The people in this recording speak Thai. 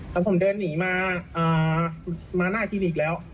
ครับผมเดินหนีมามาหน้ากินอีกแล้ว